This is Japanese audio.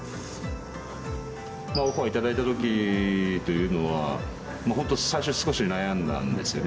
お声を頂いたときというのは、本当、最初少し悩んだんですよね。